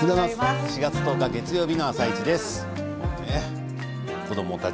４月１０日月曜日の「あさイチ」です。